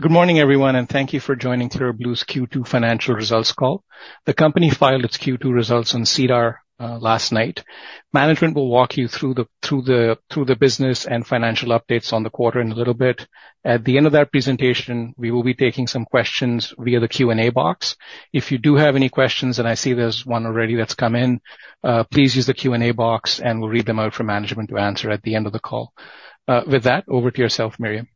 Good morning, everyone, and thank you for joining Clear Blue's Q2 Financial Results Call. The company filed its Q2 results on SEDAR last night. Management will walk you through the business and financial updates on the quarter in a little bit. At the end of that presentation, we will be taking some questions via the Q&A box. If you do have any questions, and I see there's one already that's come in, please use the Q&A box, and we'll read them out for management to answer at the end of the call. With that, over to yourself, Miriam.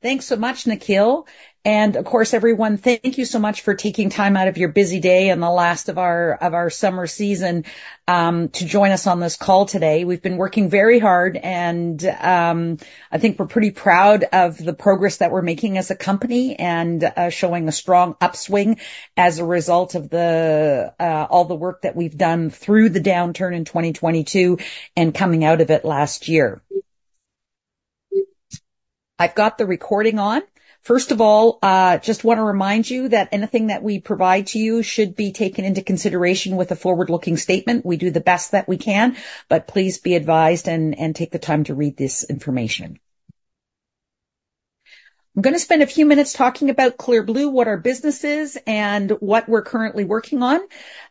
Thanks so much, Nikhil. And of course, everyone, thank you so much for taking time out of your busy day and the last of our summer season to join us on this call today. We've been working very hard and I think we're pretty proud of the progress that we're making as a company and showing a strong upswing as a result of all the work that we've done through the downturn in 2022 and coming out of it last year. I've got the recording on. First of all, just want to remind you that anything that we provide to you should be taken into consideration with a forward-looking statement. We do the best that we can, but please be advised and take the time to read this information. I'm gonna spend a few minutes talking about Clear Blue, what our business is, and what we're currently working on.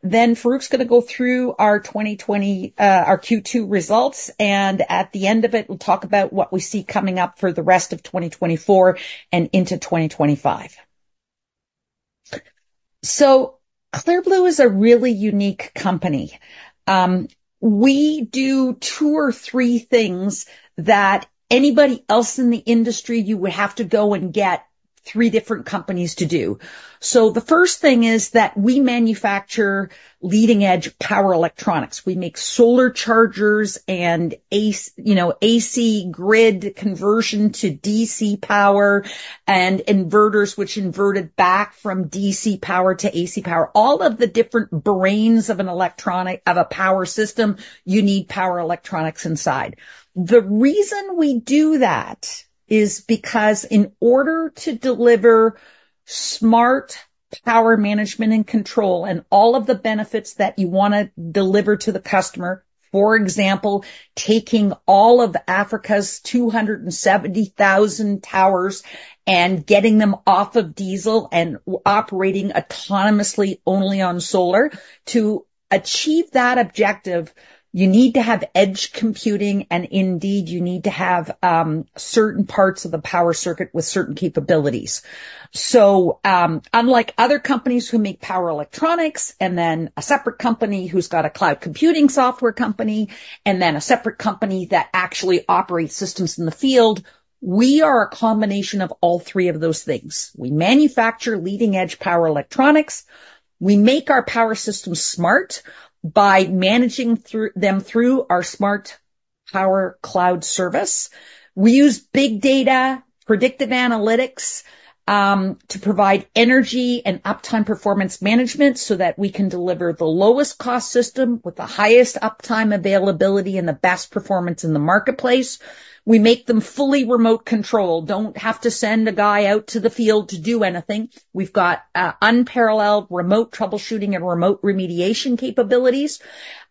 Then Farrukh's gonna go through our 2020, our Q2 results, and at the end of it, we'll talk about what we see coming up for the rest of 2024 and into 2025. So Clear Blue is a really unique company. We do two or three things that anybody else in the industry, you would have to go and get three different companies to do. So the first thing is that we manufacture leading-edge power electronics. We make solar chargers and AC, you know, AC grid conversion to DC power, and inverters, which invert it back from DC power to AC power. All of the different brains of a power system, you need power electronics inside. The reason we do that is because in order to deliver smart power management and control and all of the benefits that you wanna deliver to the customer, for example, taking all of Africa's 270,000 towers and getting them off of diesel and operating autonomously only on solar, to achieve that objective, you need to have edge computing, and indeed, you need to have certain parts of the power circuit with certain capabilities. Unlike other companies who make power electronics, and then a separate company who's got a cloud computing software company, and then a separate company that actually operates systems in the field, we are a combination of all three of those things. We manufacture leading-edge power electronics. We make our power systems smart by managing them through our Smart Power Cloud service. We use big data, predictive analytics, to provide energy and uptime performance management so that we can deliver the lowest cost system with the highest uptime availability and the best performance in the marketplace. We make them fully remote controlled. Don't have to send a guy out to the field to do anything. We've got unparalleled remote troubleshooting and remote remediation capabilities,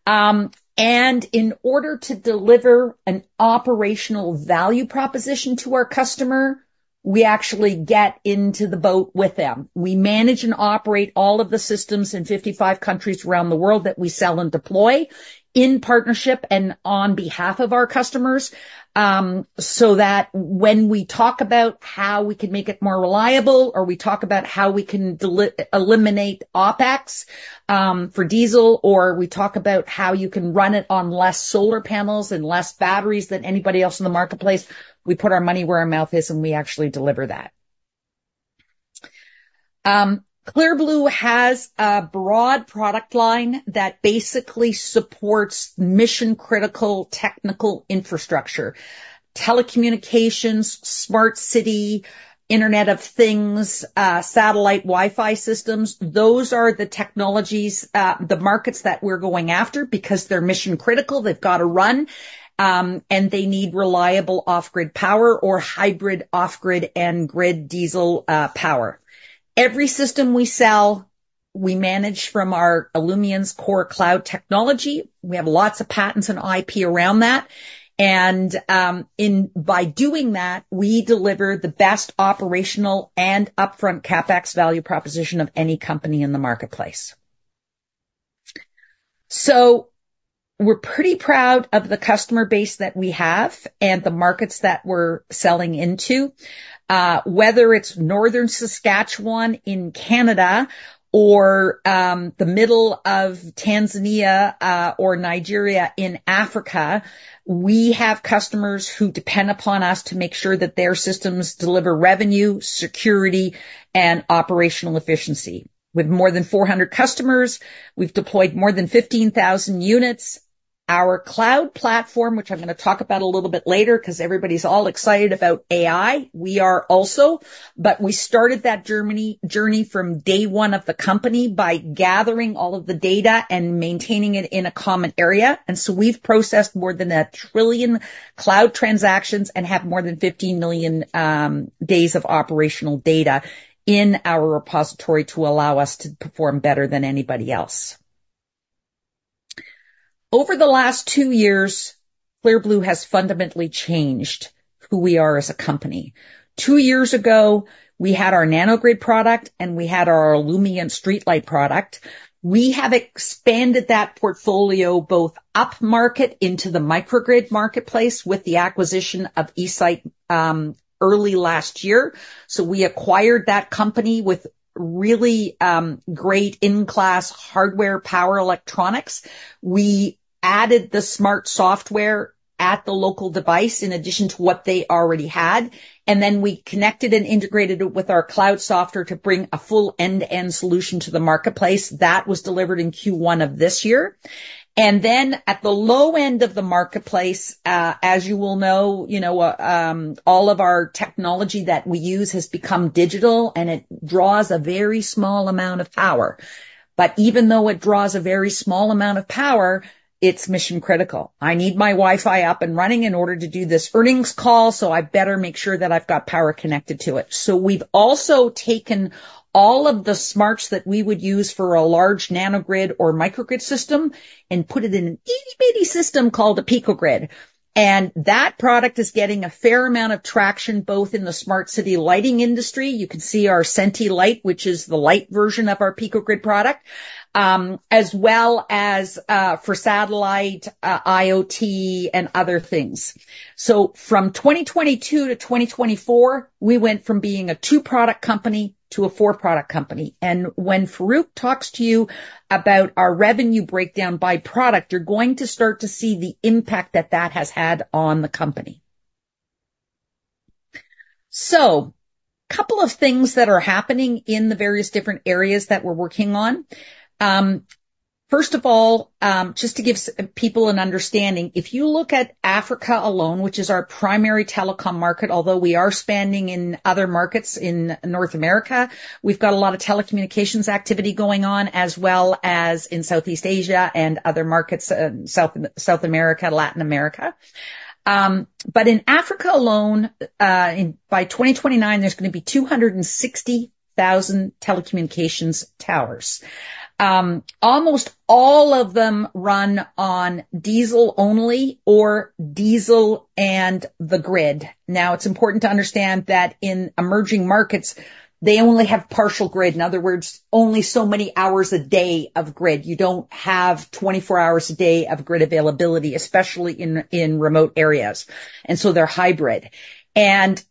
and in order to deliver an operational value proposition to our customer, we actually get into the boat with them. We manage and operate all of the systems in 55 countries around the world that we sell and deploy, in partnership and on behalf of our customers, so that when we talk about how we can make it more reliable, or we talk about how we can eliminate OpEx for diesel, or we talk about how you can run it on less solar panels and less batteries than anybody else in the marketplace, we put our money where our mouth is, and we actually deliver that. Clear Blue has a broad product line that basically supports mission-critical technical infrastructure. Telecommunications, smart city, Internet of Things, satellite Wi-Fi systems, those are the technologies, the markets that we're going after because they're mission-critical, they've got to run, and they need reliable off-grid power or hybrid off-grid and grid diesel power. Every system we sell, we manage from our Illumient's Core Cloud technology. We have lots of patents and IP around that, and by doing that, we deliver the best operational and upfront CapEx value proposition of any company in the marketplace, so we're pretty proud of the customer base that we have and the markets that we're selling into, whether it's Northern Saskatchewan in Canada or the middle of Tanzania or Nigeria in Africa. We have customers who depend upon us to make sure that their systems deliver revenue, security, and operational efficiency. With more than 400 customers, we've deployed more than 15,000 units. Our cloud platform, which I'm gonna talk about a little bit later, because everybody's all excited about AI, we are also. But we started that journey from day one of the company by gathering all of the data and maintaining it in a common area. And so we've processed more than a trillion cloud transactions and have more than 15 million days of operational data in our repository to allow us to perform better than anybody else. Over the last two years, Clear Blue has fundamentally changed who we are as a company. Two years ago, we had our Nano-Grid product and we had our Illumient streetlight product. We have expanded that portfolio both upmarket into the microgrid marketplace with the acquisition of eSite early last year. So we acquired that company with really great best-in-class hardware power electronics. We added the smart software at the local device in addition to what they already had, and then we connected and integrated it with our cloud software to bring a full end-to-end solution to the marketplace. That was delivered in Q1 of this year, and then at the low end of the marketplace, as you all know, all of our technology that we use has become digital, and it draws a very small amount of power. But even though it draws a very small amount of power, it's mission critical. I need my Wi-Fi up and running in order to do this earnings call, so I better make sure that I've got power connected to it, so we've also taken all of the smarts that we would use for a large Nano-Grid or microgrid system and put it in an itty-bitty system called a Pico-Grid. And that product is getting a fair amount of traction, both in the Smart City lighting industry. You can see our Senti light, which is the light version of our Pico-Grid product, as well as for satellite IoT and other things. So from 2022-2024, we went from being a two-product company to a four-product company. And when Farrukh talks to you about our revenue breakdown by product, you are going to start to see the impact that that has had on the company. So couple of things that are happening in the various different areas that we are working on. First of all, just to give people an understanding, if you look at Africa alone, which is our primary telecom market, although we are expanding in other markets in North America, we've got a lot of telecommunications activity going on, as well as in Southeast Asia and other markets, South America, Latin America. But in Africa alone, by 2029, there's going to be 260,000 telecommunications towers. Almost all of them run on diesel only or diesel and the grid. Now, it's important to understand that in emerging markets, they only have partial grid. In other words, only so many hours a day of grid. You don't have 24 hours a day of grid availability, especially in remote areas, and so they're hybrid. And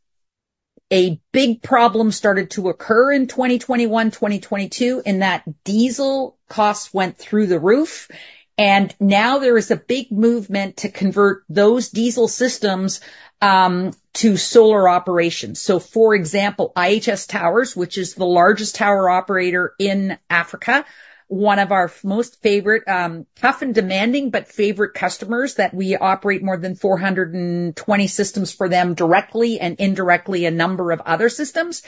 a big problem started to occur in 2021, 2022, in that diesel costs went through the roof, and now there is a big movement to convert those diesel systems to solar operations. So for example, IHS Towers, which is the largest tower operator in Africa, one of our most favorite, tough and demanding, but favorite customers, that we operate more than 420 systems for them directly and indirectly, a number of other systems.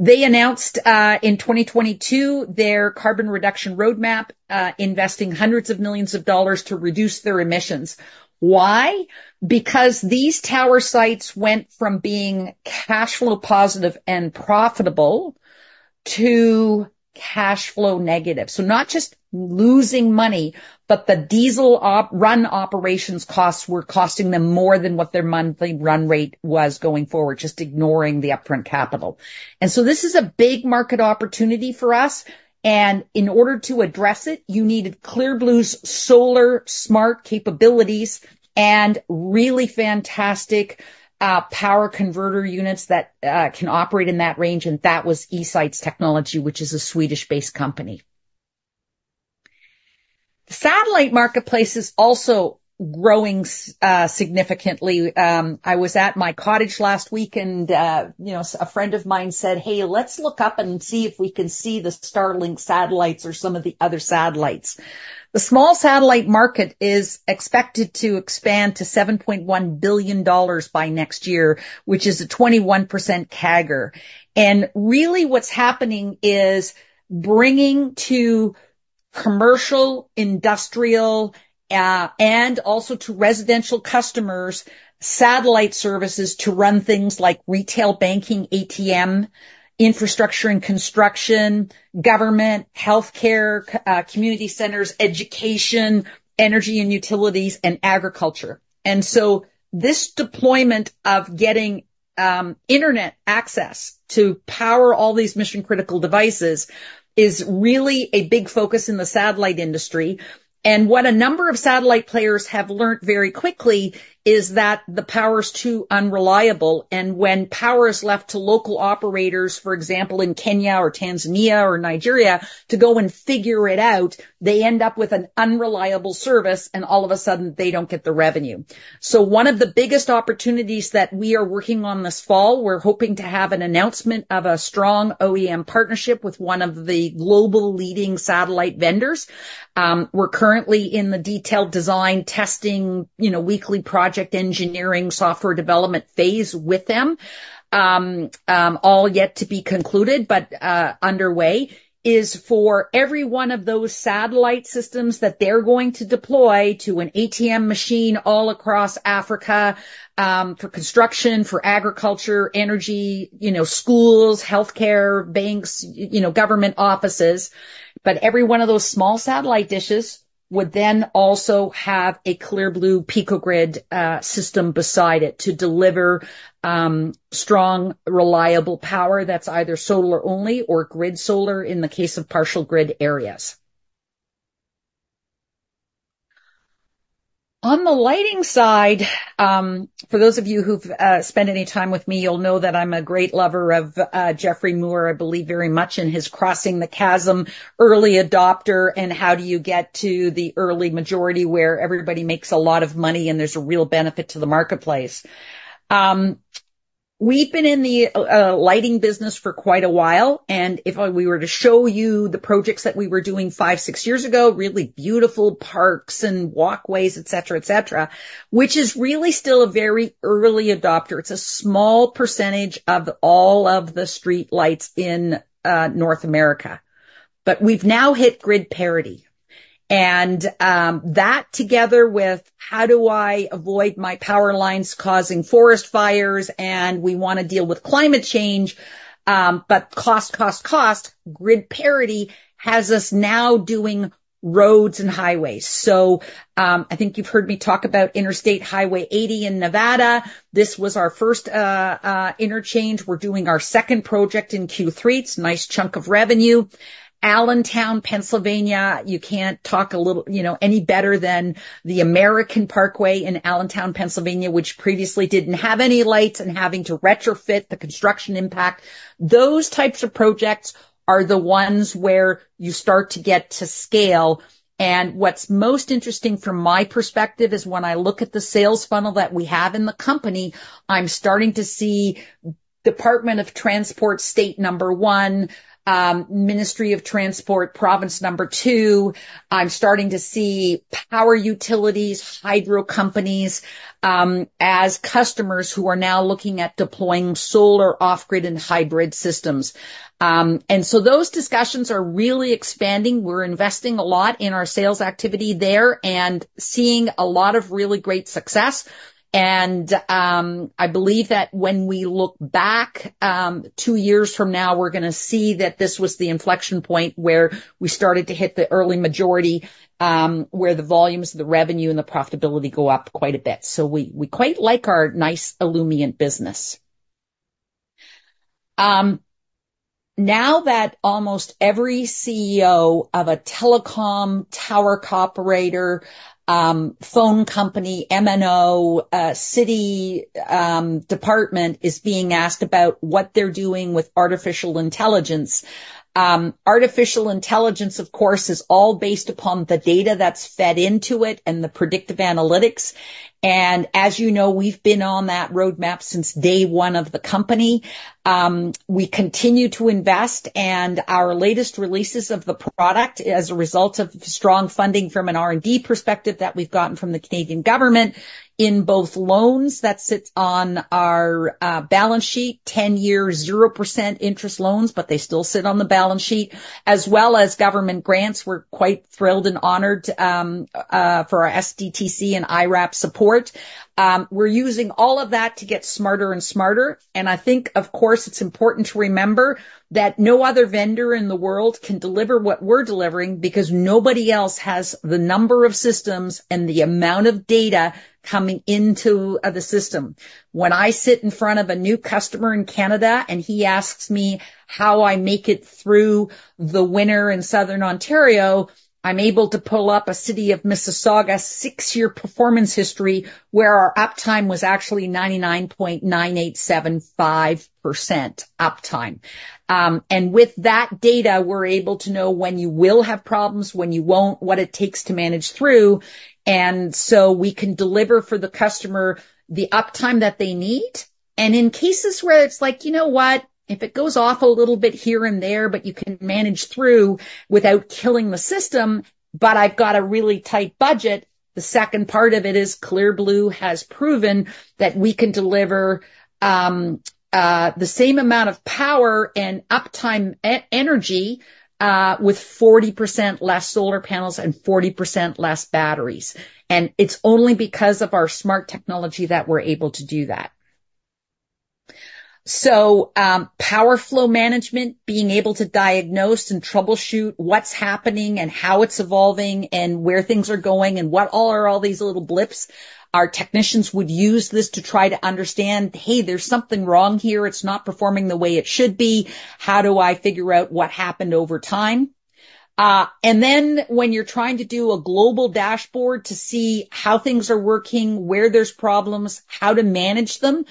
They announced in 2022 their carbon reduction roadmap, investing hundreds of millions of dollars to reduce their emissions. Why? Because these tower sites went from being cash flow positive and profitable to cash flow negative. So not just losing money, but the diesel run operations costs were costing them more than what their monthly run rate was going forward, just ignoring the upfront capital. This is a big market opportunity for us, and in order to address it, you needed Clear Blue's solar smart capabilities and really fantastic power converter units that can operate in that range, and that was eSite's technology, which is a Swedish-based company. The satellite marketplace is also growing significantly. I was at my cottage last week and, you know, a friend of mine said: "Hey, let's look up and see if we can see the Starlink satellites or some of the other satellites." The small satellite market is expected to expand to $7.1 billion by next year, which is a 21% CAGR. And really what's happening is bringing to commercial, industrial, and also to residential customers, satellite services to run things like retail banking, ATM, infrastructure and construction, government, healthcare, community centers, education, energy and utilities, and agriculture. And so this deployment of getting internet access to power all these mission-critical devices is really a big focus in the satellite industry. And what a number of satellite players have learned very quickly is that the power's too unreliable, and when power is left to local operators, for example, in Kenya or Tanzania or Nigeria, to go and figure it out, they end up with an unreliable service, and all of a sudden they don't get the revenue. So one of the biggest opportunities that we are working on this fall, we're hoping to have an announcement of a strong OEM partnership with one of the global leading satellite vendors. We're currently in the detailed design testing, you know, weekly project engineering, software development phase with them. All yet to be concluded, but, underway, is for every one of those satellite systems that they're going to deploy to an ATM machine all across Africa, for construction, for agriculture, energy, you know, schools, healthcare, banks, you know, government offices. But every one of those small satellite dishes would then also have a Clear Blue Pico-Grid system beside it to deliver strong, reliable power that's either solar only or grid solar in the case of partial grid areas. On the lighting side, for those of you who've spent any time with me, you'll know that I'm a great lover of Geoffrey Moore. I believe very much in his Crossing the Chasm, early adopter, and how do you get to the early majority, where everybody makes a lot of money and there's a real benefit to the marketplace? We've been in the lighting business for quite a while, and if we were to show you the projects that we were doing five, six years ago, really beautiful parks and walkways, et cetera, et cetera, which is really still a very early adopter. It's a small percentage of all of the streetlights in North America. But we've now hit grid parity, and that together with, "How do I avoid my power lines causing forest fires?" And we wanna deal with climate change, but cost, cost, cost. Grid parity has us now doing roads and highways, so I think you've heard me talk about Interstate Highway 80 in Nevada. This was our first interchange. We're doing our second project in Q3. It's a nice chunk of revenue. Allentown, Pennsylvania, you can't talk any better than the American Parkway in Allentown, Pennsylvania, which previously didn't have any lights, and having to retrofit the construction impact. Those types of projects are the ones where you start to get to scale. And what's most interesting from my perspective is, when I look at the sales funnel that we have in the company, I'm starting to see Department of Transport, state number one, Ministry of Transport, province number two. I'm starting to see power utilities, hydro companies, as customers who are now looking at deploying solar, off-grid, and hybrid systems. And so those discussions are really expanding. We're investing a lot in our sales activity there and seeing a lot of really great success. And, I believe that when we look back, two years from now, we're gonna see that this was the inflection point where we started to hit the early majority, where the volumes, the revenue, and the profitability go up quite a bit. So we quite like our nice Illumient business. Now that almost every CEO of a telecom, tower operator, phone company, MNO, city, department is being asked about what they're doing with artificial intelligence. Artificial intelligence, of course, is all based upon the data that's fed into it and the predictive analytics, and as you know, we've been on that roadmap since day one of the company. We continue to invest, and our latest releases of the product as a result of strong funding from an R&D perspective that we've gotten from the Canadian government, in both loans, that sits on our balance sheet, 10-year, 0% interest loans, but they still sit on the balance sheet, as well as government grants. We're quite thrilled and honored for our SDTC and IRAP support. We're using all of that to get smarter and smarter, and I think, of course, it's important to remember that no other vendor in the world can deliver what we're delivering, because nobody else has the number of systems and the amount of data coming into the system. When I sit in front of a new customer in Canada, and he asks me how I make it through the winter in Southern Ontario, I'm able to pull up the City of Mississauga's six-year performance history, where our uptime was actually 99.9875% uptime. And with that data, we're able to know when you will have problems, when you won't, what it takes to manage through, and so we can deliver for the customer the uptime that they need. And in cases where it's like, "You know what? If it goes off a little bit here and there, but you can manage through without killing the system, but I've got a really tight budget," the second part of it is, Clear Blue has proven that we can deliver, the same amount of power and uptime energy, with 40% less solar panels and 40% less batteries, and it's only because of our smart technology that we're able to do that. So, power flow management, being able to diagnose and troubleshoot what's happening and how it's evolving and where things are going and what are all these little blips? Our technicians would use this to try to understand, "Hey, there's something wrong here. It's not performing the way it should be. How do I figure out what happened over time?" and then, when you're trying to do a global dashboard to see how things are working, where there's problems, how to manage them,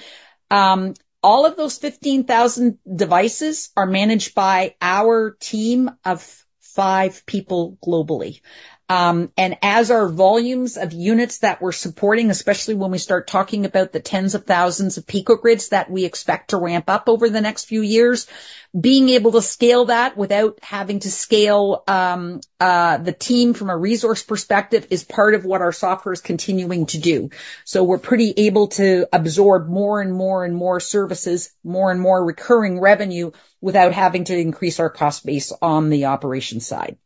all of those 15,000 devices are managed by our team of five people globally, and as our volumes of units that we're supporting, especially when we start talking about the tens of thousands of Pico-Grids that we expect to ramp up over the next few years, being able to scale that without having to scale the team from a resource perspective, is part of what our software is continuing to do, so we're pretty able to absorb more and more and more services, more and more recurring revenue, without having to increase our cost base on the operations side,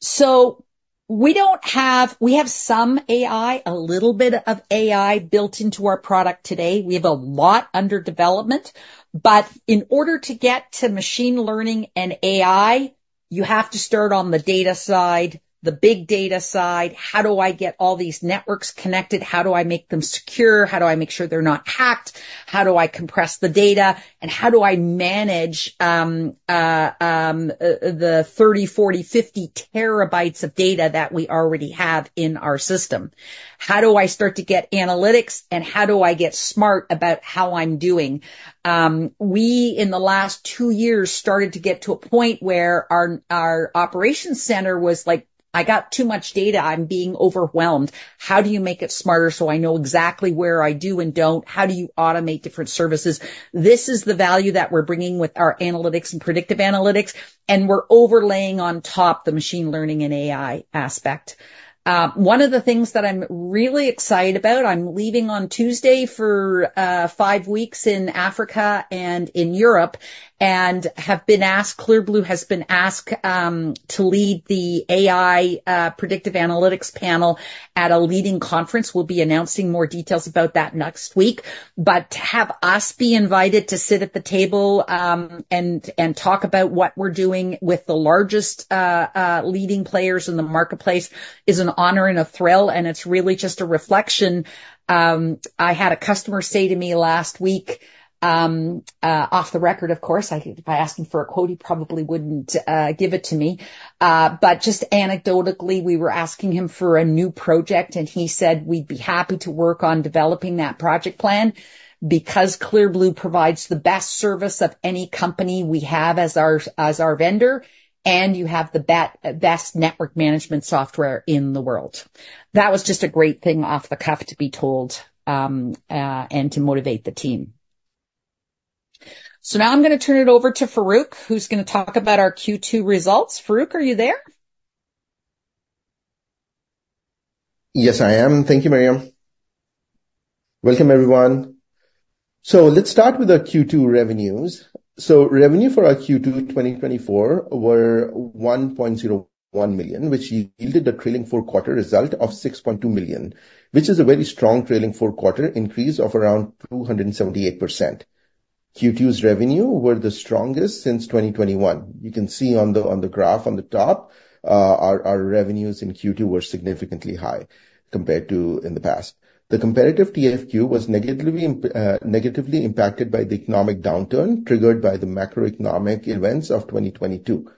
so we don't have... We have some AI, a little bit of AI built into our product today. We have a lot under development, but in order to get to machine learning and AI... You have to start on the data side, the big data side. How do I get all these networks connected? How do I make them secure? How do I make sure they're not hacked? How do I compress the data? And how do I manage the 30, 40, 50 TBs of data that we already have in our system? How do I start to get analytics, and how do I get smart about how I'm doing? We, in the last two years, started to get to a point where our operations center was like, "I got too much data. I'm being overwhelmed. How do you make it smarter so I know exactly where I do and don't? How do you automate different services?" This is the value that we're bringing with our analytics and predictive analytics, and we're overlaying on top the machine learning and AI aspect. One of the things that I'm really excited about, I'm leaving on Tuesday for five weeks in Africa and in Europe, and have been asked, Clear Blue has been asked, to lead the AI predictive analytics panel at a leading conference. We'll be announcing more details about that next week. But to have us be invited to sit at the table, and talk about what we're doing with the largest leading players in the marketplace is an honor and a thrill, and it's really just a reflection. I had a customer say to me last week, off the record, of course. I think if I asked him for a quote, he probably wouldn't give it to me. But just anecdotally, we were asking him for a new project, and he said, "We'd be happy to work on developing that project plan because Clear Blue provides the best service of any company we have as our vendor, and you have the best network management software in the world." That was just a great thing off the cuff to be told, and to motivate the team. So now I'm gonna turn it over to Farrukh, who's gonna talk about our Q2 results. Farrukh, are you there? Yes, I am. Thank you, Miriam. Welcome, everyone. So let's start with our Q2 revenues. So revenue for our Q2 2024 were $1.01 million, which yielded a trailing four-quarter result of $6.2 million, which is a very strong trailing four-quarter increase of around 278%. Q2's revenue were the strongest since 2021. You can see on the, on the graph on the top, our revenues in Q2 were significantly high compared to in the past. The comparative TFQ was negatively impacted by the economic downturn, triggered by the macroeconomic events of 2022.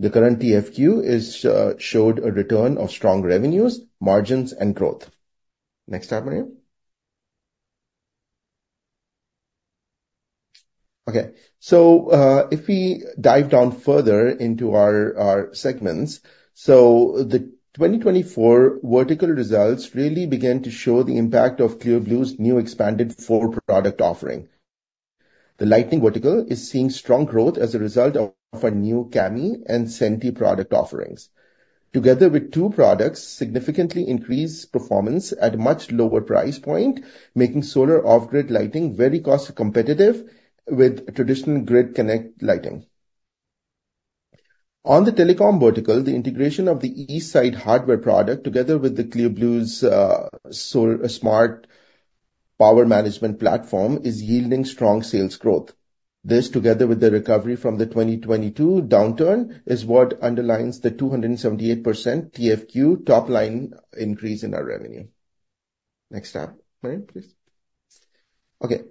The current TFQ showed a return of strong revenues, margins, and growth. Next slide, Miriam. Okay, so if we dive down further into our segments, the 2024 vertical results really began to show the impact of Clear Blue's new expanded four product offering. The lighting vertical is seeing strong growth as a result of our new Kami and Senti product offerings. Together with two products, significantly increased performance at a much lower price point, making solar off-grid lighting very cost competitive with traditional grid connect lighting. On the telecom vertical, the integration of the eSite hardware product, together with Clear Blue's smart power management platform, is yielding strong sales growth. This, together with the recovery from the 2022 downturn, is what underlines the 278% TFQ top line increase in our revenue. Next slide, Miriam, please. Okay,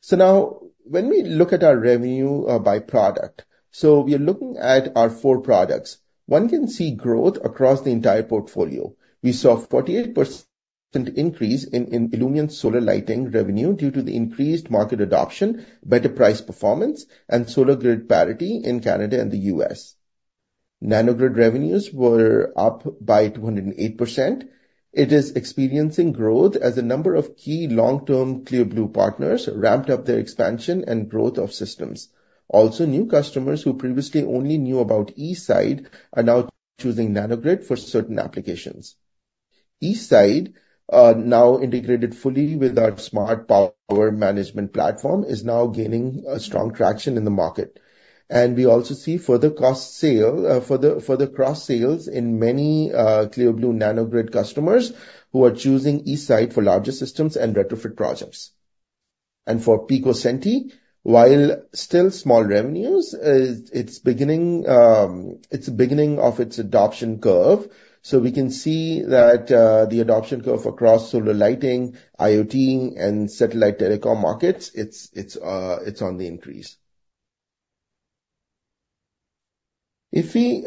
so now when we look at our revenue by product, so we are looking at our four products. One can see growth across the entire portfolio. We saw a 48% increase in Illumient's solar lighting revenue due to the increased market adoption, better price performance, and solar grid parity in Canada and the U.S. Nano-Grid revenues were up by 208%. It is experiencing growth as a number of key long-term Clear Blue partners ramped up their expansion and growth of systems. Also, new customers who previously only knew about eSite are now choosing Nano-Grid for certain applications. eSite, now integrated fully with our smart power management platform, is now gaining strong traction in the market. We also see further cross sales in many Clear Blue Nano-Grid customers who are choosing eSite for larger systems and retrofit projects. For Pico Senti, while still small revenues, it's the beginning of its adoption curve, so we can see that the adoption curve across solar lighting, IoT, and satellite telecom markets. It's on the increase. If we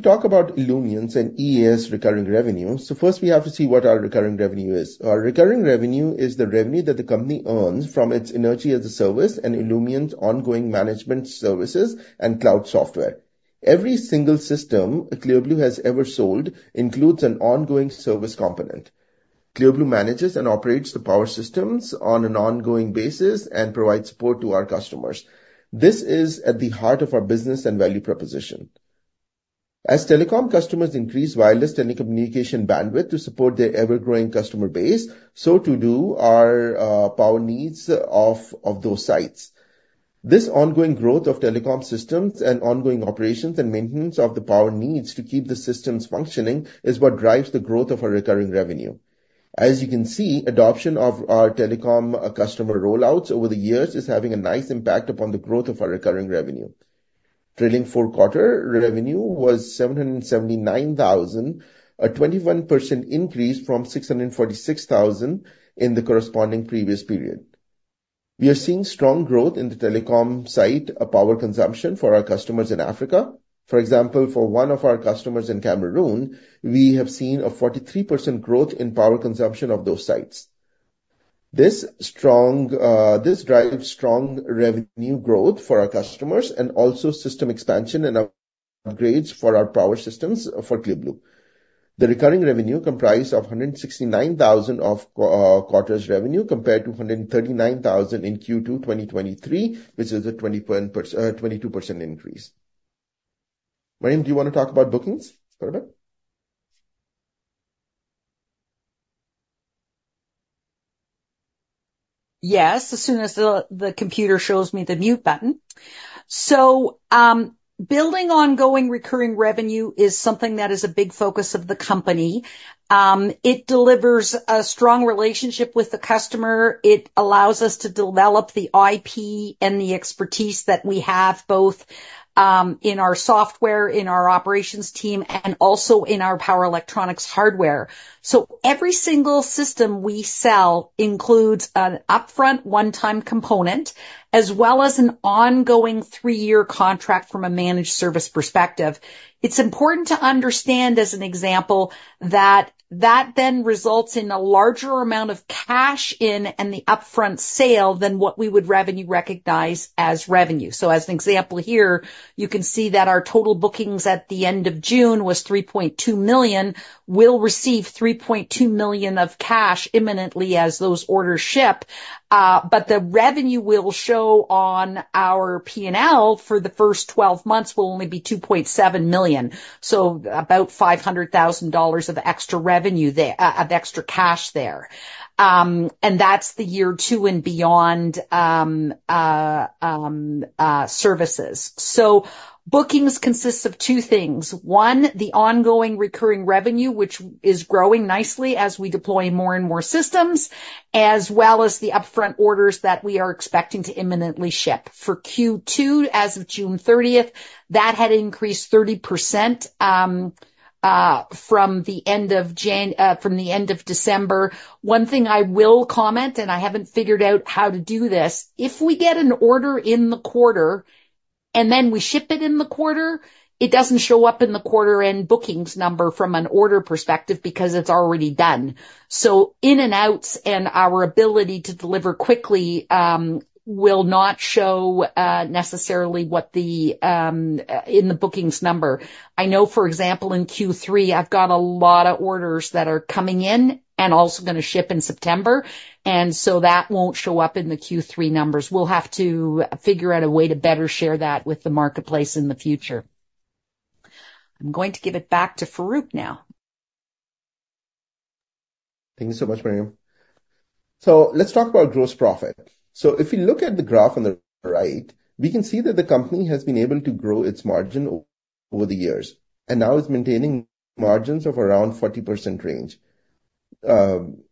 talk about Illumient's and EaaS recurring revenue, so first we have to see what our recurring revenue is. Our recurring revenue is the revenue that the company earns from its energy as a service and Illumient's ongoing management services and cloud software. Every single system Clear Blue has ever sold includes an ongoing service component. Clear Blue manages and operates the power systems on an ongoing basis and provides support to our customers. This is at the heart of our business and value proposition. As telecom customers increase wireless telecommunication bandwidth to support their ever-growing customer base, so too do our power needs of those sites. This ongoing growth of telecom systems and ongoing operations and maintenance of the power needs to keep the systems functioning is what drives the growth of our recurring revenue. As you can see, adoption of our telecom customer rollouts over the years is having a nice impact upon the growth of our recurring revenue. Trailing four-quarter revenue was $779,000, a 21% increase from $646,000 in the corresponding previous period. We are seeing strong growth in the telecom site power consumption for our customers in Africa. For example, for one of our customers in Cameroon, we have seen a 43% growth in power consumption of those sites. This drives strong revenue growth for our customers and also system expansion and upgrades for our power systems for Clear Blue. The recurring revenue comprised of 169,000 of quarter's revenue, compared to $139,000 in Q2 2023, which is a 22% increase. Miriam, do you want to talk about bookings for a bit? Yes. As soon as the computer shows me the mute button. So, building ongoing recurring revenue is something that is a big focus of the company. It delivers a strong relationship with the customer. It allows us to develop the IP and the expertise that we have, both in our software, in our operations team, and also in our power electronics hardware. So every single system we sell includes an upfront one-time component, as well as an ongoing three-year contract from a managed service perspective. It's important to understand, as an example, that that then results in a larger amount of cash in and the upfront sale than what we would revenue recognize as revenue. So as an example here, you can see that our total bookings at the end of June was $3.2 million. We'll receive $3.2 million of cash imminently as those orders ship, but the revenue will show on our P&L for the first 12 months will only be $2.7 million, so about $500,000 of extra revenue there, of extra cash there. And that's the year two and beyond services. So bookings consists of two things: One, the ongoing recurring revenue, which is growing nicely as we deploy more and more systems, as well as the upfront orders that we are expecting to imminently ship. For Q2, as of June thirtieth, that had increased 30%, from the end of December. One thing I will comment, and I haven't figured out how to do this, if we get an order in the quarter and then we ship it in the quarter, it doesn't show up in the quarter end bookings number from an order perspective, because it's already done. So in and outs and our ability to deliver quickly will not show necessarily what in the bookings number. I know, for example, in Q3, I've got a lot of orders that are coming in and also gonna ship in September, and so that won't show up in the Q3 numbers. We'll have to figure out a way to better share that with the marketplace in the future. I'm going to give it back to Farrukh now. Thank you so much, Miriam. Let's talk about gross profit. If you look at the graph on the right, we can see that the company has been able to grow its margin over the years, and now it's maintaining margins of around 40% range.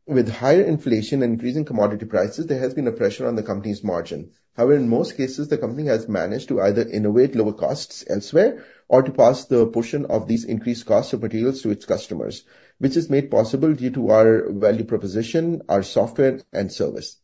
With higher inflation and increasing commodity prices, there has been a pressure on the company's margin. However, in most cases, the company has managed to either innovate lower costs elsewhere or to pass the portion of these increased costs of materials to its customers, which is made possible due to our value proposition, our software and service.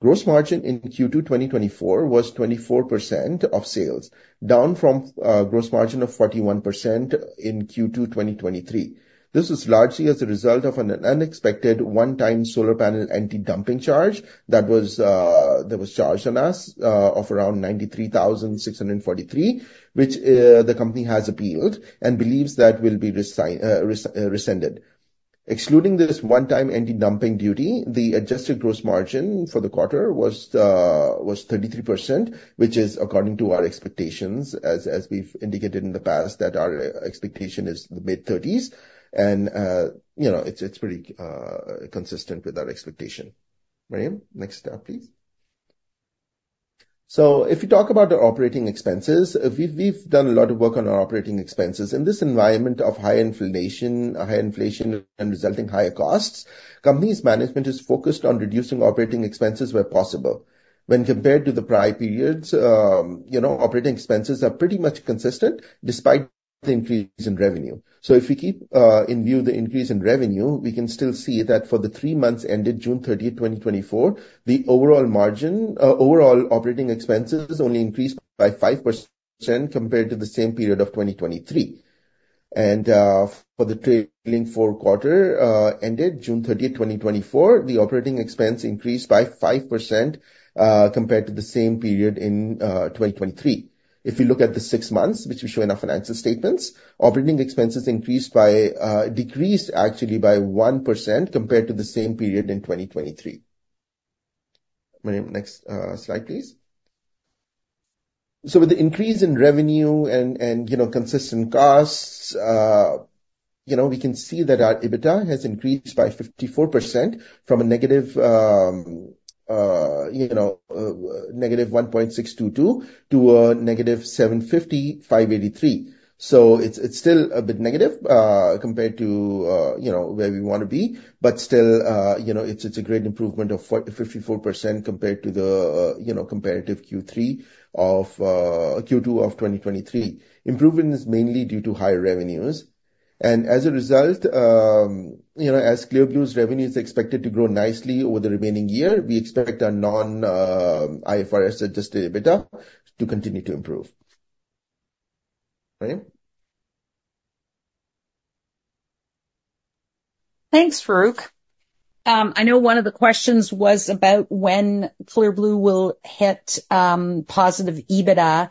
Gross margin in Q2 2024 was 24% of sales, down from gross margin of 41% in Q2 2023. This is largely as a result of an unexpected one-time solar panel anti-dumping charge that was charged on us of around $93,643, which the company has appealed and believes that will be rescinded. Excluding this one-time anti-dumping duty, the adjusted gross margin for the quarter was 33%, which is according to our expectations, as we've indicated in the past, that our expectation is the mid-thirties. And you know, it's pretty consistent with our expectation. Miriam, next slide, please. So if you talk about the operating expenses, we've done a lot of work on our operating expenses. In this environment of high inflation and resulting higher costs, company's management is focused on reducing operating expenses where possible. When compared to the prior periods, you know, operating expenses are pretty much consistent despite the increase in revenue. So if we keep in view the increase in revenue, we can still see that for the three months ended June 30th, 2024, the overall margin, overall operating expenses only increased by 5% compared to the same period of 2023. And, for the trailing four quarter, ended June 30th, 2024, the operating expense increased by 5%, compared to the same period in, 2023. If you look at the six months, which we show in our financial statements, operating expenses increased by, decreased actually by 1% compared to the same period in 2023. Miriam, next, slide, please. So with the increase in revenue and you know consistent costs you know we can see that our EBITDA has increased by 54% from a -1.622 to a -0.75583. So it's still a bit negative compared to you know where we want to be but still you know it's a great improvement of 54% compared to the comparative Q2 of 2023. Improvement is mainly due to higher revenues and as a result you know as Clear Blue's revenue is expected to grow nicely over the remaining year we expect our non-IFRS Adjusted EBITDA to continue to improve. Miriam? Thanks, Farrukh. I know one of the questions was about when Clear Blue will hit positive EBITDA.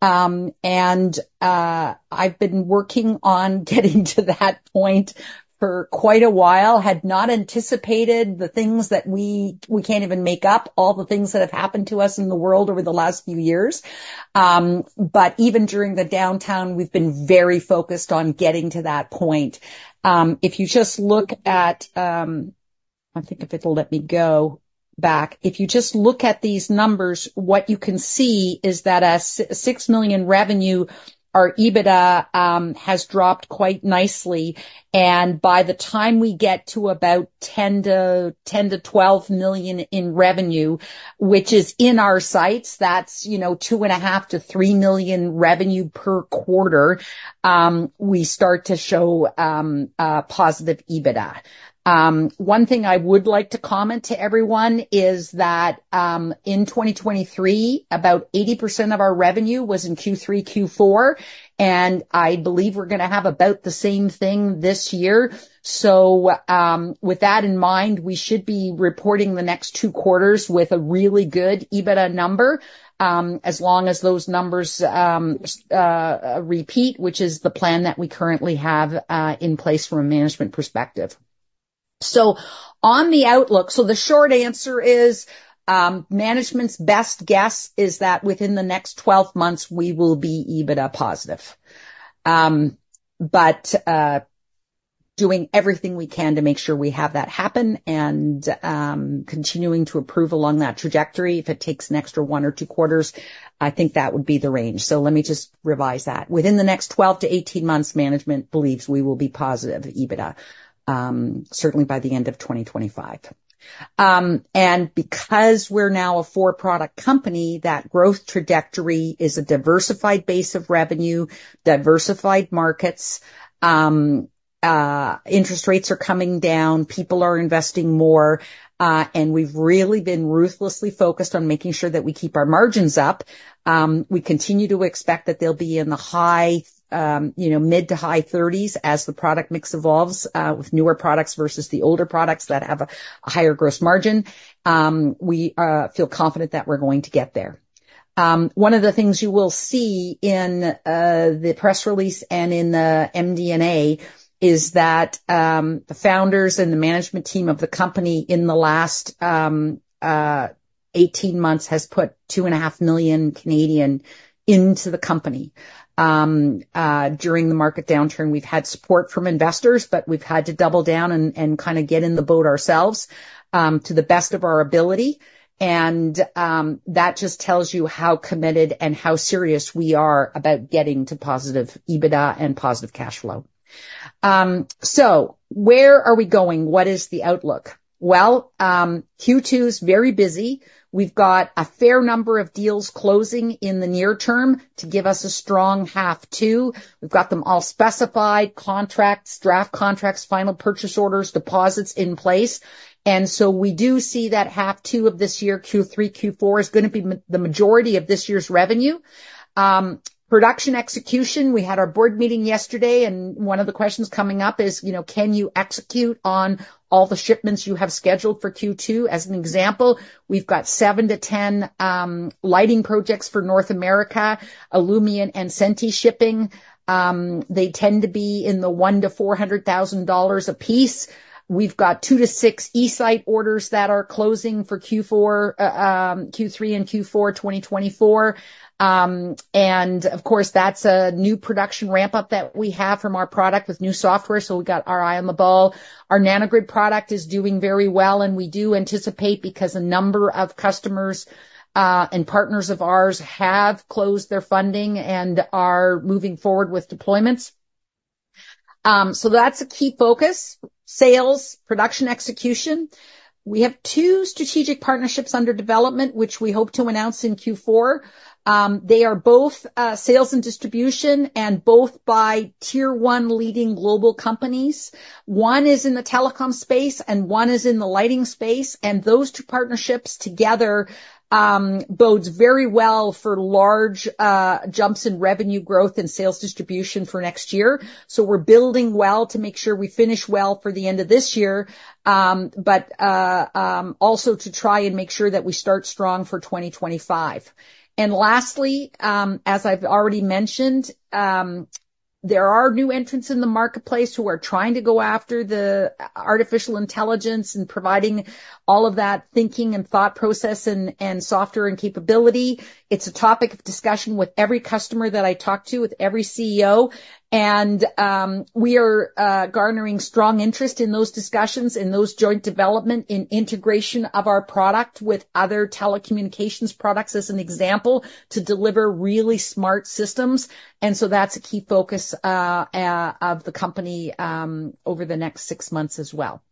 I've been working on getting to that point for quite a while. Had not anticipated the things that we can't even make up all the things that have happened to us in the world over the last few years. Even during the downturn, we've been very focused on getting to that point. If you just look at... I think if it'll let me go back. If you just look at these numbers, what you can see is that at $6 million revenue, our EBITDA has dropped quite nicely, and by the time we get to about 10-12 million in revenue, which is in our sights, that's, you know, $2.5-$3 million revenue per quarter, we start to show positive EBITDA. One thing I would like to comment to everyone is that, in 2023, about 80% of our revenue was in Q3, Q4, and I believe we're gonna have about the same thing this year, so with that in mind, we should be reporting the next two quarters with a really good EBITDA number, as long as those numbers repeat, which is the plan that we currently have in place from a management perspective. On the outlook, the short answer is, management's best guess is that within the next 12 months, we will be EBITDA positive. But doing everything we can to make sure we have that happen and continuing to improve along that trajectory, if it takes an extra one or two quarters, I think that would be the range. Let me just revise that. Within the next 12-18 months, management believes we will be EBITDA positive, certainly by the end of 2025. And because we're now a four-product company, that growth trajectory is a diversified base of revenue, diversified markets, interest rates are coming down, people are investing more, and we've really been ruthlessly focused on making sure that we keep our margins up. We continue to expect that they'll be in the high, you know, mid to high thirties as the product mix evolves with newer products versus the older products that have a higher gross margin. We feel confident that we're going to get there. One of the things you will see in the press release and in the MD&A is that the founders and the management team of the company in the last eighteen months has put $2.5 million into the company. During the market downturn, we've had support from investors, but we've had to double down and kind of get in the boat ourselves to the best of our ability. That just tells you how committed and how serious we are about getting to positive EBITDA and positive cash flow. Where are we going? What is the outlook? Q2 is very busy. We've got a fair number of deals closing in the near term to give us a strong half two. We've got them all specified, contracts, draft contracts, final purchase orders, deposits in place, and so we do see that half two of this year, Q3, Q4, is gonna be the majority of this year's revenue. Production execution, we had our board meeting yesterday, and one of the questions coming up is, you know: Can you execute on all the shipments you have scheduled for Q2? As an example, we've got 7-10 lighting projects for North America, Illumient and Senti shipping. They tend to be in the $100,000-$400,000 apiece. We've got two to six eSite orders that are closing for Q4, Q3 and Q4 2024. And of course, that's a new production ramp-up that we have from our product with new software, so we've got our eye on the ball. Our Nano-Grid product is doing very well, and we do anticipate, because a number of customers and partners of ours have closed their funding and are moving forward with deployments. So that's a key focus: sales, production, execution. We have two strategic partnerships under development, which we hope to announce in Q4. They are both sales and distribution, and both by tier-one leading global companies. One is in the telecom space, and one is in the lighting space, and those two partnerships together bodes very well for large jumps in revenue growth and sales distribution for next year. So we're building well to make sure we finish well for the end of this year, but also to try and make sure that we start strong for 2025. And lastly, as I've already mentioned, there are new entrants in the marketplace who are trying to go after the artificial intelligence and providing all of that thinking and thought process and software and capability. It's a topic of discussion with every customer that I talk to, with every CEO, and we are garnering strong interest in those discussions, in those joint development, in integration of our product with other telecommunications products, as an example, to deliver really smart systems. And so that's a key focus of the company over the next six months as well.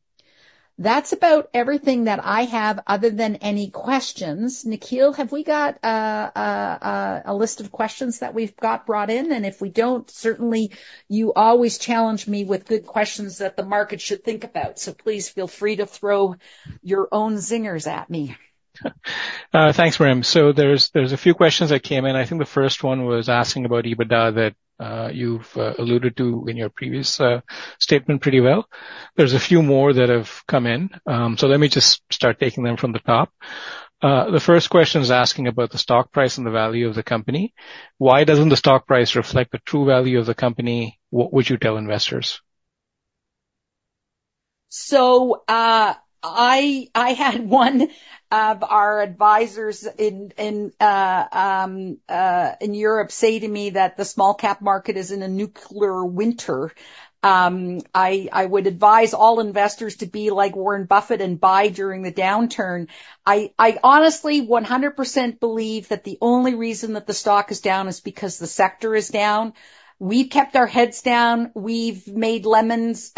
That's about everything that I have other than any questions. Nikhil, have we got a list of questions that we've got brought in? And if we don't, certainly you always challenge me with good questions that the market should think about. So please feel free to throw your own zingers at me. Thanks, Miriam. So there's a few questions that came in. I think the first one was asking about EBITDA, that you've alluded to in your previous statement pretty well. There's a few more that have come in. So let me just start taking them from the top. The first question is asking about the stock price and the value of the company. Why doesn't the stock price reflect the true value of the company? What would you tell investors? I had one of our advisors in Europe say to me that the small cap market is in a nuclear winter. I would advise all investors to be like Warren Buffett and buy during the downturn. I honestly 100% believe that the only reason that the stock is down is because the sector is down. We've kept our heads down. We've made lemonade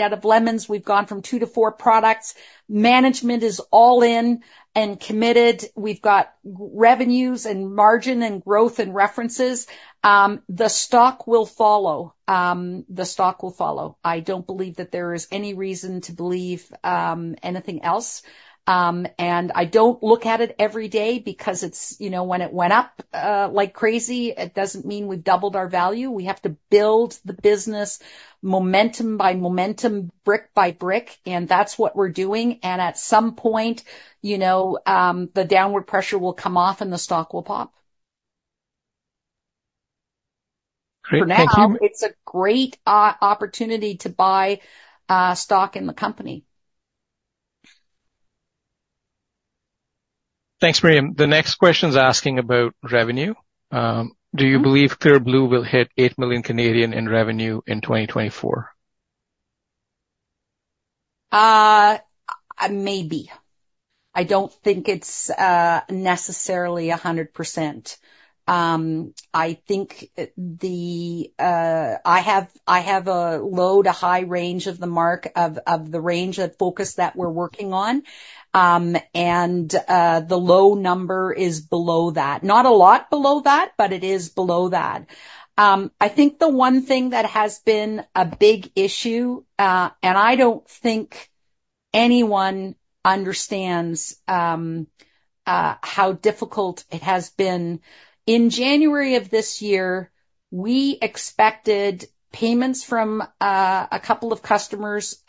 out of lemons. We've gone from two to four products. Management is all in and committed. We've got revenues and margin and growth and references. The stock will follow. The stock will follow. I don't believe that there is any reason to believe anything else. And I don't look at it every day because it's, you know, when it went up, like crazy, it doesn't mean we've doubled our value. We have to build the business momentum by momentum, brick by brick, and that's what we're doing. And at some point, you know, the downward pressure will come off, and the stock will pop. Great. Thank you. For now, it's a great opportunity to buy stock in the company. Thanks, Miriam. The next question is asking about revenue. Mm-hmm. Do you believe Clear Blue will hit 8 million in revenue in 2024? Maybe. I don't think it's necessarily 100%. I think I have a low-to-high range of the margin of the range of focus that we're working on. The low number is below that. Not a lot below that, but it is below that. I think the one thing that has been a big issue, and I don't think anyone understands, how difficult it has been. In January of this year, we expected payments from a couple of customers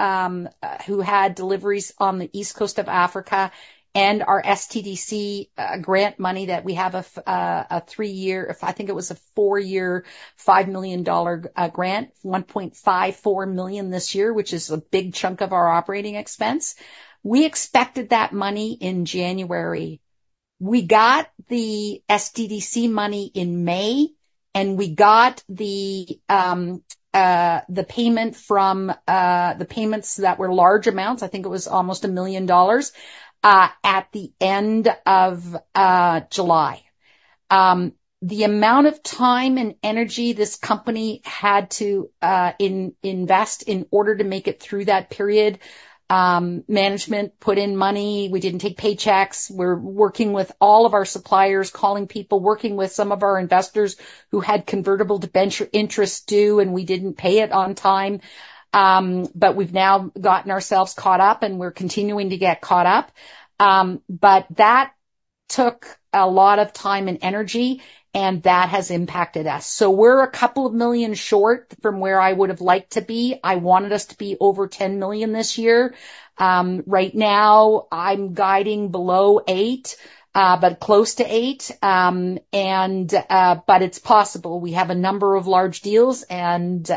who had deliveries on the east coast of Africa and our SDTC grant money that we have a three-year, I think it was a four-year, 5 million dollar grant, 1.54 million this year, which is a big chunk of our operating expense. We expected that money in January. We got the SDTC money in May, and we got the payment from the payments that were large amounts. I think it was almost $1 million at the end of July. The amount of time and energy this company had to invest in order to make it through that period. Management put in money. We didn't take paychecks. We're working with all of our suppliers, calling people, working with some of our investors who had convertible debenture interest due, and we didn't pay it on time, but we've now gotten ourselves caught up, and we're continuing to get caught up, but that took a lot of time and energy, and that has impacted us, so we're a couple of million short from where I would've liked to be. I wanted us to be over $10 million this year. Right now, I'm guiding below $8 million, but close to $8 million, and but it's possible. We have a number of large deals, and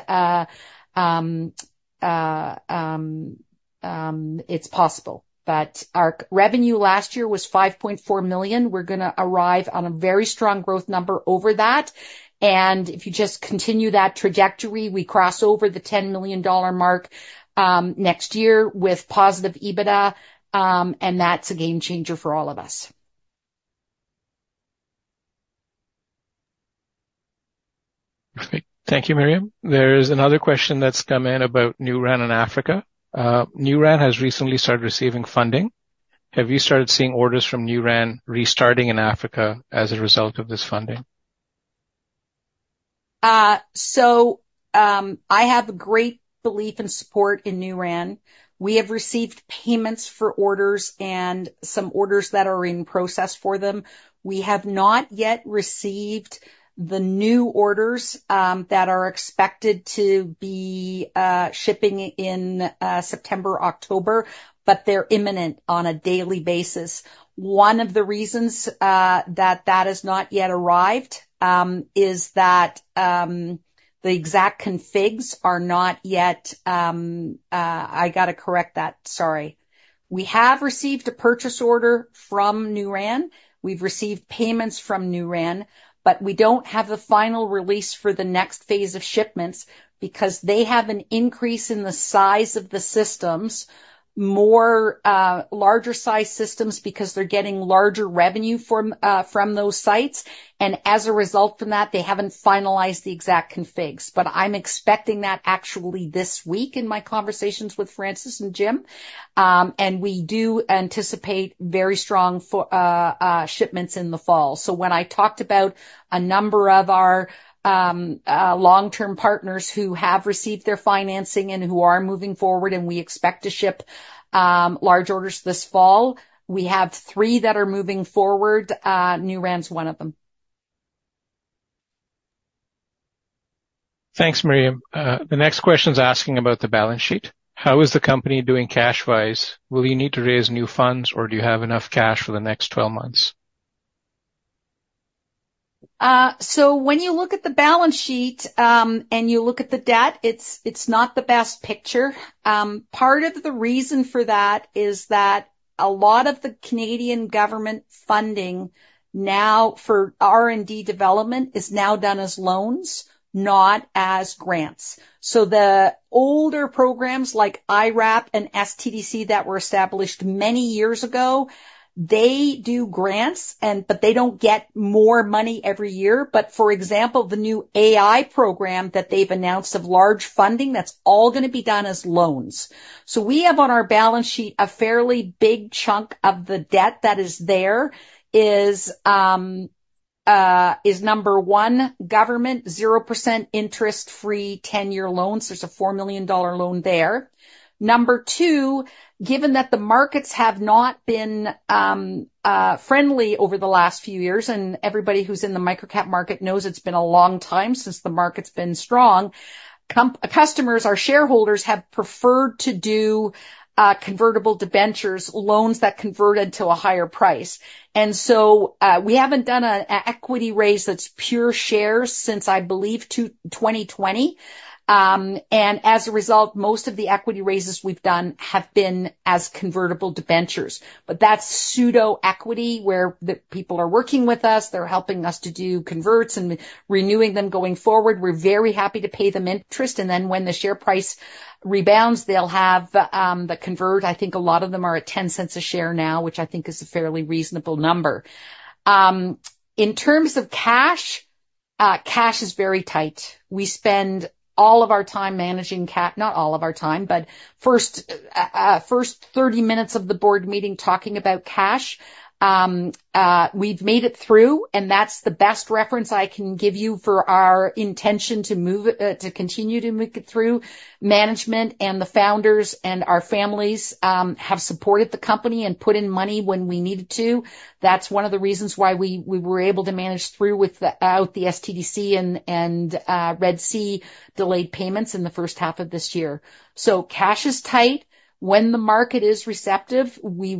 it's possible. But our revenue last year was $5.4 million. We're gonna arrive on a very strong growth number over that, and if you just continue that trajectory, we cross over the $10 million mark next year with positive EBITDA, and that's a game changer for all of us. Great. Thank you, Miriam. There is another question that's come in about NuRAN in Africa. NuRAN has recently started receiving funding. Have you started seeing orders from NuRAN restarting in Africa as a result of this funding?... So, I have great belief and support in NuRAN. We have received payments for orders and some orders that are in process for them. We have not yet received the new orders that are expected to be shipping in September, October, but they're imminent on a daily basis. One of the reasons that that has not yet arrived is that-- I gotta correct that, sorry. We have received a purchase order from NuRAN. We've received payments from NuRAN, but we don't have the final release for the next phase of shipments, because they have an increase in the size of the systems, more larger-sized systems, because they're getting larger revenue from those sites. And as a result from that, they haven't finalized the exact configs. But I'm expecting that actually this week in my conversations with Francis and Jim, and we do anticipate very strong for shipments in the fall. So when I talked about a number of our long-term partners who have received their financing and who are moving forward, and we expect to ship large orders this fall, we have three that are moving forward, NuRAN's one of them. Thanks, Miriam. The next question is asking about the balance sheet. How is the company doing cash-wise? Will you need to raise new funds, or do you have enough cash for the next twelve months? So when you look at the balance sheet, and you look at the debt, it's not the best picture. Part of the reason for that is that a lot of the Canadian government funding now for R&D development is now done as loans, not as grants. So the older programs like IRAP and SDTC, that were established many years ago, they do grants and but they don't get more money every year. But for example, the new AI program that they've announced of large funding, that's all gonna be done as loans. So we have on our balance sheet, a fairly big chunk of the debt that is there is number one, government 0% interest-free, 10-year loans. There's a $4 million loan there. Number two, given that the markets have not been friendly over the last few years, and everybody who's in the microcap market knows it's been a long time since the market's been strong, customers, our shareholders, have preferred to do convertible debentures, loans that converted to a higher price. And so, we haven't done an equity raise that's pure shares since, I believe, 2020. And as a result, most of the equity raises we've done have been as convertible debentures. But that's pseudo equity, where the people are working with us, they're helping us to do converts and renewing them going forward. We're very happy to pay them interest, and then when the share price rebounds, they'll have the convert. I think a lot of them are at 0.10 a share now, which I think is a fairly reasonable number. In terms of cash, cash is very tight. We spend all of our time managing, not all of our time, but first 30 minutes of the board meeting talking about cash. We've made it through, and that's the best reference I can give you for our intention to move to continue to make it through. Management and the founders and our families have supported the company and put in money when we needed to. That's one of the reasons why we were able to manage through without the SDTC and receivables delayed payments in the first half of this year. So cash is tight. When the market is receptive, we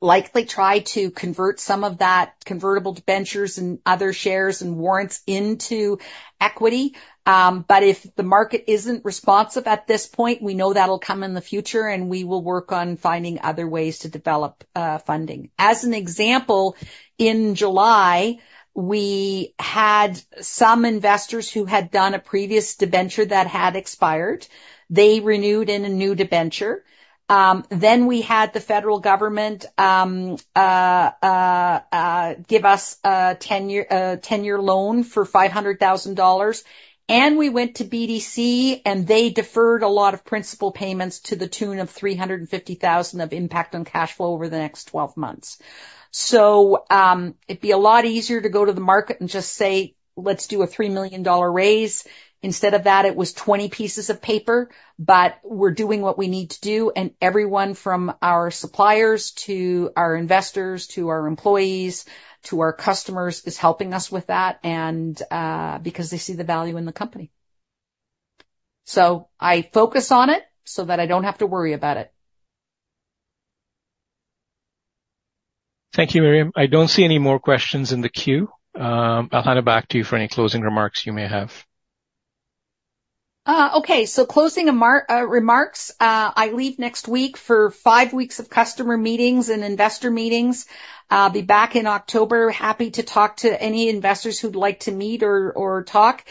will likely try to convert some of that convertible debentures and other shares and warrants into equity. But if the market isn't responsive at this point, we know that'll come in the future, and we will work on finding other ways to develop funding. As an example, in July, we had some investors who had done a previous debenture that had expired. They renewed in a new debenture. Then we had the federal government give us a ten-year loan for $500,000, and we went to BDC, and they deferred a lot of principal payments to the tune of $350,000 of impact on cash flow over the next twelve months. So, it'd be a lot easier to go to the market and just say, "Let's do a $3 million raise." Instead of that, it was 20 pieces of paper. But we're doing what we need to do, and everyone from our suppliers to our investors, to our employees, to our customers, is helping us with that, and because they see the value in the company. So I focus on it so that I don't have to worry about it. Thank you, Miriam. I don't see any more questions in the queue. I'll hand it back to you for any closing remarks you may have. Okay, so closing my remarks. I leave next week for five weeks of customer meetings and investor meetings. I'll be back in October. Happy to talk to any investors who'd like to meet or talk.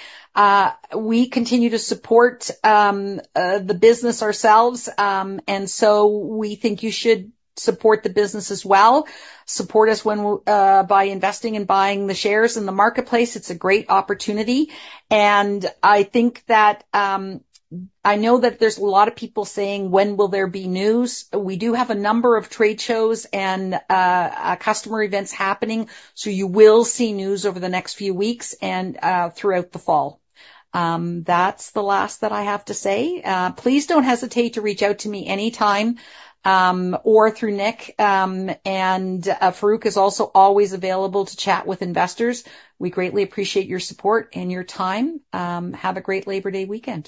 We continue to support the business ourselves, and so we think you should support the business as well. Support us by investing and buying the shares in the marketplace. It's a great opportunity, and I think that I know that there's a lot of people saying: When will there be news? We do have a number of trade shows and customer events happening, so you will see news over the next few weeks and throughout the fall. That's the last that I have to say. Please don't hesitate to reach out to me anytime, or through Nikhil, and Farrukh is also always available to chat with investors. We greatly appreciate your support and your time. Have a great Labor Day weekend.